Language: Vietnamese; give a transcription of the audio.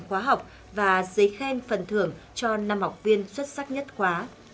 khóa học và giấy khen phần thưởng cho năm học viên xuất sắc nhất khóa